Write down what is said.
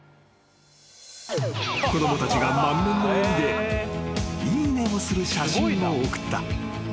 ［子供たちが満面の笑みでいいねをする写真を送った］